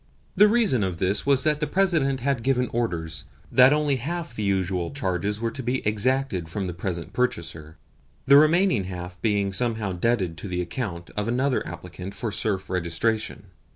The reason of this was that the President had given orders that only half the usual charges were to be exacted from the present purchaser the remaining half being somehow debited to the account of another applicant for serf registration.